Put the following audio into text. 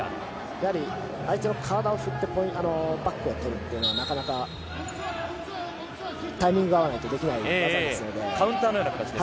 やはり相手の体を振ってバックを取るというのはなかなかタイミングが合わないとできない技ですので。